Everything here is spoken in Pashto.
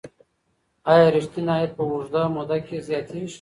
ایا ریښتینی عاید په اوږده موده کي زیاتیږي؟